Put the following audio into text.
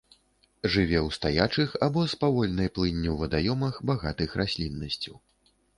Жыве ў стаячых або з павольнай плынню вадаёмах, багатых расліннасцю.